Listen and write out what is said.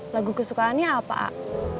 lagu kesukaannya apa ah